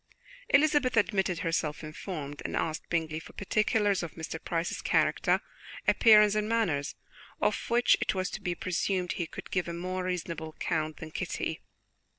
Elizabeth admitted herself informed, and asked Bingley for particulars of Mr. Price's character, appearance and manners, of which it was to be presumed he could give a more reasonable account than Kitty.